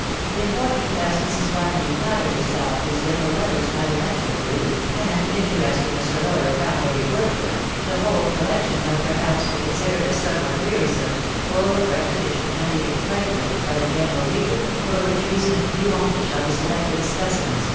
Important as Mrs. Barnaby. flat. "t . dJi?« THE WIDOW BARNABY. 345 tered herself these little letters might eventually prove, and interesting as her lawyer found every word of them, the whole collection might perhaps he considered as somewhat wearisome, full of repetition, and even trifling, hy the general reader, for which reason a few only shall he selected as specimens!